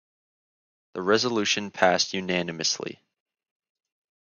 The resolution passed unanimously.